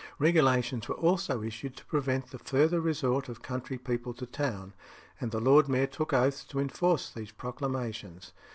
Regulations were also issued to prevent the further resort of country people to town, and the lord mayor took oaths to enforce these proclamations.